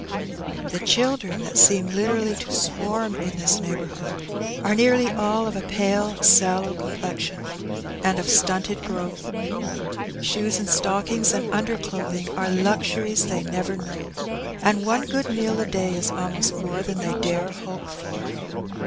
The children^ that seem literally to swarm in this neigh bourhood^ are nearly all of a pale, sallow complexion, and of stmited growth. Shoes and stockings and underclothing are luxuries they never know, and one good meal a day is almost more than they dare hope for.